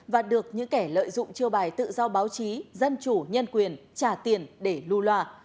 và được những kẻ lợi dụng chiêu bài tự do báo chí dân chủ nhân quyền trả tiền để lưu loà